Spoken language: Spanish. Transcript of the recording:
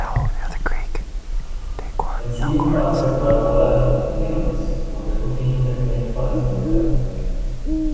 En su infancia fue apodado "Peanuts" por ser un niño pequeño para su edad.